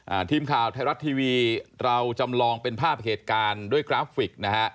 ทีมข่าวไทยรัฐทีวีเราจำลองเป็นภาพเหตุการณ์ด้วยกราฟิกนะฮะ